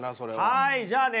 はいじゃあね